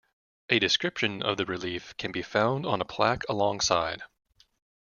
A description of the relief can be found on a plaque alongside.